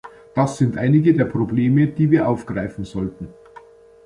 Das sind einige der Probleme, die wir aufgreifen sollten.